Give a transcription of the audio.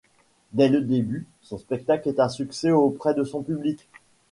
Dès le début, son spectacle est un succès auprès de son public.